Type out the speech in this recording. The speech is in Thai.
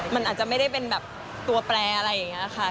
มันอาจจะไม่ได้เป็นแบบตัวแปลอะไรอย่างนี้ค่ะ